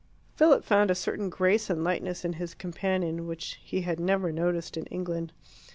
Philip found a certain grace and lightness in his companion which he had never noticed in England.